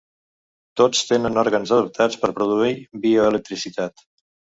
Tots tenen òrgans adaptats per produir bioelectricitat.